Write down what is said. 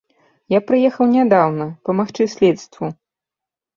Я прыехаў нядаўна, памагчы следству.